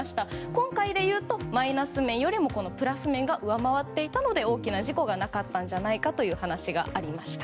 今回でいうとマイナス面よりもプラス面が上回っていたので大きな事故がなかったんじゃないかという話がありました。